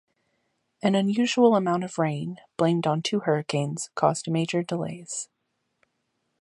An unusual amount of rain, blamed on two hurricanes, caused major delays.